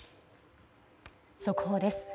速報です。